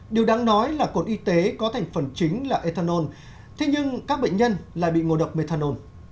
điều đáng nói là cồn y tế có thành phần chính là ethanol thế nhưng các bệnh nhân lại bị ngộ độc methanol